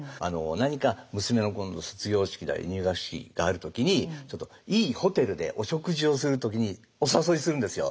何か娘の卒業式入学式がある時にいいホテルでお食事をする時にお誘いするんですよ。